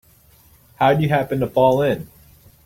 How'd you happen to fall in?